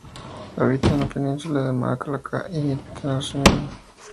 Habita en la Península de Malaca y en Tenasserim en Birmania.